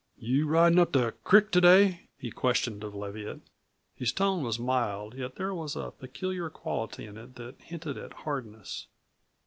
"You ridin' up the crick to day?" he questioned of Leviatt. His tone was mild, yet there was a peculiar quality in it that hinted at hardness.